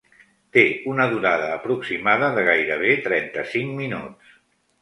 Té una durada aproximada de gairebé trenta-cinc minuts.